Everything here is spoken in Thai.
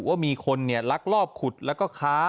ว่ามีคนลักลอบขุดแล้วก็ค้า